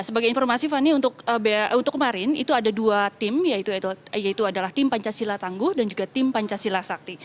sebagai informasi fani untuk kemarin itu ada dua tim yaitu ada pancasila tangguh dan pancasila negara